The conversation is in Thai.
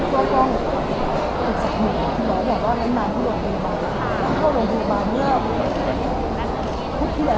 ตอนนั้นหมอก็ส่งเลยและหลักงานจากที่ประเภทของนิดเดียว